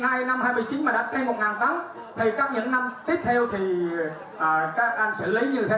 ngay năm hai mươi chín mà đã cây một tấn thì các những năm tiếp theo thì các anh xử lý như thế nào